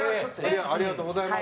ありがとうございます。